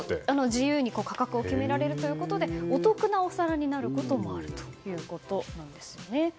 自由に価格を決められるのでお得なお皿になることもあるということなんですよね。